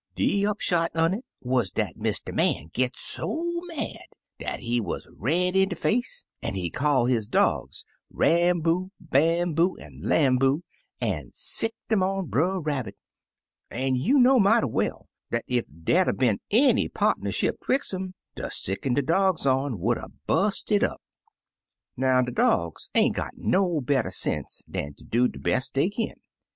De upshot un it wuz dat Mr. Man git so mad dat he wuz red in de face, an' he call his dogs, Ramboo, Bam boo, an' Lamboo, an' sicc'd lun on Brer Rabbit; an' you know mighty well dat ef dey'd 'a' been any pardnership 'twix' um dis siccin' de dogs on would 'a' bust it up. "Now, de dogs ain't got no better sense dan ter do de best dey kin.